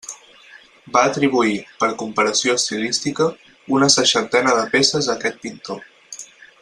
Va atribuir, per comparació estilística, una seixantena de peces a aquest pintor.